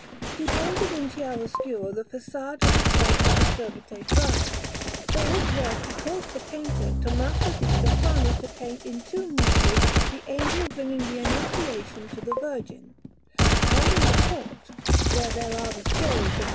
He painted in chiaroscuro the façade of the Church of the Servite Friars, for which work he caused the painter Tommaso di Stefano to paint in two niches the Angel bringing the Annunciation to the Virgin; and in the court, where there are the stories of S.